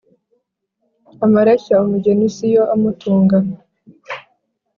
Amareshya mugeni siyo amutunga.